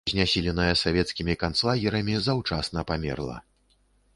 Знясіленая савецкімі канцлагерамі заўчасна памерла.